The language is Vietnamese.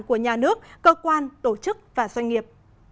của nhà nước cơ quan tổ chức và doanh nghiệp